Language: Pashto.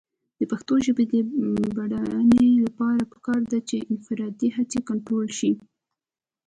د پښتو ژبې د بډاینې لپاره پکار ده چې انفرادي هڅې کنټرول شي.